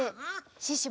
シュッシュ